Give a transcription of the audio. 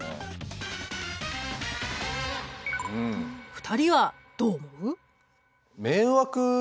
２人はどう思う？